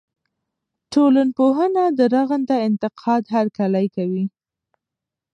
ټولنپوهنه د رغنده انتقاد هرکلی کوي.